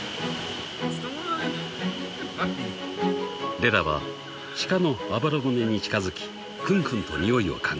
［レラはシカのあばら骨に近づきくんくんとにおいを嗅ぐ］